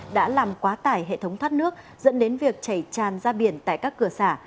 đã làm quá tải hệ thống thắt nước dẫn đến việc chảy tràn ra biển tại các cửa xã